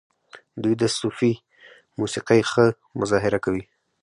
دوی د صوفي موسیقۍ ښه مظاهره کوي.